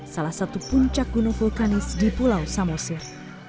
salah satu puncak gunung vulkanis di pulau samosir